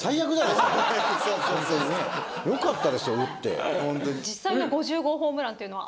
よかったですよ打って。